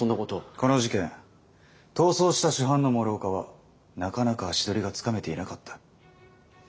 この事件逃走した主犯の諸岡はなかなか足取りがつかめていなかった。